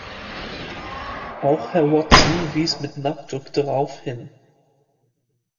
Auch Herr Watson wies mit Nachdruck darauf hin.